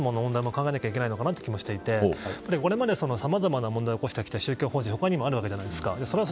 一方で、本当に宗教をそもそもの問題で考えなければいけないのかなという気もしていて、これまでさまざまな問題を起こしてきた宗教法人は他にもあるわけじゃないですか。